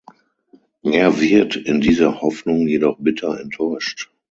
Er wird in dieser Hoffnung jedoch bitter enttäuscht.